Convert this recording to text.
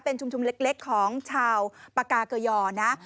เป็นชุมชนเล็กของชาวปากาเกยอนะ